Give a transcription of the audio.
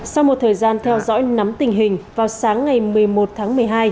sau một thời gian theo dõi nắm tình hình vào sáng ngày một mươi một tháng một mươi hai